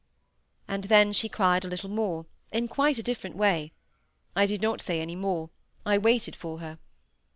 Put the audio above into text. And then she cried a little more, in quite a different way. I did not say any more, I waited for her.